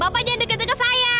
bapak jangan deket deket saya